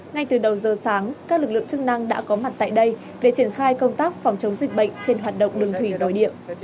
ngay từ đầu giờ sáng các lực lượng chức năng đã có mặt tại đây để triển khai công tác phòng chống dịch bệnh trên hoạt động đường thủy đòi địa